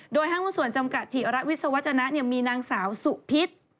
ห้างหุ้นส่วนจำกัดธิระวิศวจนะมีนางสาวสุพิษ